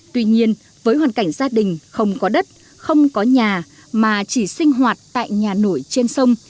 tuy nhiên với hoàn cảnh gia đình không có đất không có nhà mà chỉ sinh hoạt tại nhà nổi trên sông